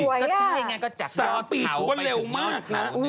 อุ๊ยสวยอ่ะสาปี่ถูกว่าเลวมากค่ะก็ใช่อย่างนี้ก็จากยอดเขาไปอย่างนี้